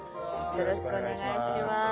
よろしくお願いします。